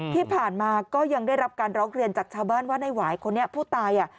ที่ผ่านมาก็ยังได้รับการร้องเรียนจากชาวบ้านว่าในหวายคนนี้ผู้ตายอ่ะ